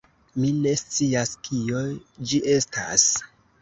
Mi ne scias kio ĝi estas.